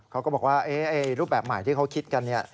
เขาก็บอกว่ารูปแบบใหม่ที่เขาคิดกัน